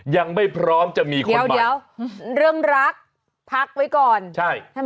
ยังไม่พร้อมจะมีคนเดี๋ยวเรื่องรักพักไว้ก่อนใช่ใช่ไหม